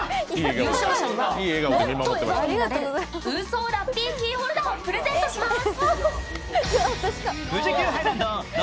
優勝者にはウーソーラッピーキーホルダーをプレゼントします。